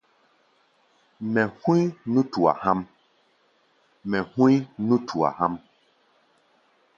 Mɛ hú̧í̧ nútua há̧ʼm.